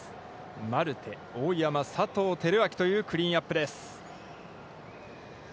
マルテ、大山、佐藤輝明というクリーンナップです。